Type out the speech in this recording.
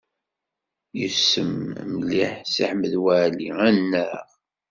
Yussem mliḥ Si Ḥmed Waɛli, anaɣ?